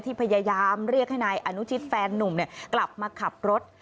พยายามเรียกให้นายอนุชิตแฟนนุ่มกลับมาขับรถ